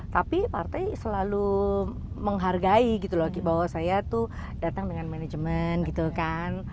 tapi partai selalu menghargai gitu loh bahwa saya tuh datang dengan manajemen gitu kan